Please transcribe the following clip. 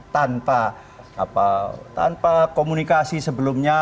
tanpa komunikasi sebelumnya